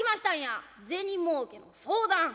「銭もうけの相談？